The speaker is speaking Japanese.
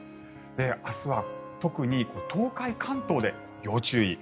明日は特に東海、関東で要注意。